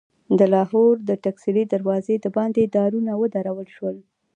د لاهور د ټکسلي دروازې دباندې دارونه ودرول شول.